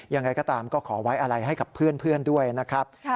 ยังไงก็ตามก็ขอไว้อะไรให้กับเพื่อนด้วยนะครับ